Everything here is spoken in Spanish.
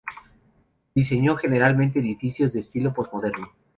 Diseñó generalmente edificios de estilo posmoderno.